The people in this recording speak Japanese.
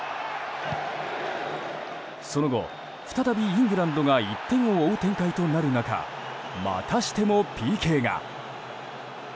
その後、再びイングランドが１点を追う展開となる中またしてもＰＫが。